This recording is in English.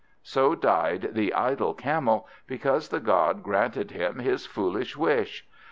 So died the idle Camel, because the god granted him his foolish wish.